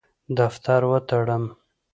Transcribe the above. دفتر وتړم.